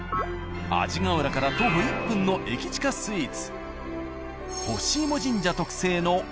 阿字ヶ浦から徒歩１分の駅近スイーツ。